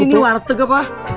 lu pikir ini warteg apa